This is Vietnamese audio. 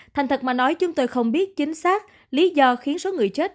thành thật mà nói chúng tôi không biết chính xác lý do khiến số người chết